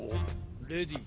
レディー